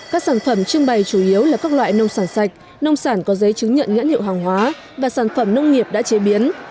các sản phẩm trưng bày chủ yếu là các loại nông sản sạch nông sản có giấy chứng nhận nhãn hiệu hàng hóa và sản phẩm nông nghiệp đã chế biến